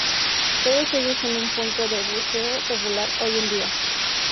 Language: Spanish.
Todos ellos son un punto de buceo popular hoy en día.